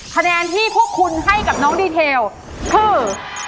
คะแนนที่พวกคุณให้กับน้องดีเทลคือ